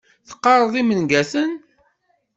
Teqqareḍ imangaten?